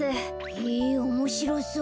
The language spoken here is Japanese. へぇおもしろそう。